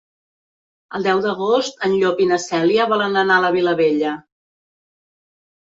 El deu d'agost en Llop i na Cèlia volen anar a la Vilavella.